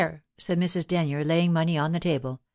said Mrs. Denyer, laying money on the table.